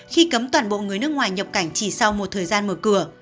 khi cấm toàn bộ người nước ngoài nhập cảnh chỉ sau một thời gian mở cửa